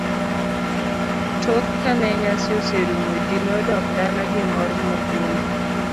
Tok kane nyasi oserumo ji nodok dala gi mor mogundho.